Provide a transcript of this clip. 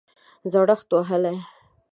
زړښت وهلی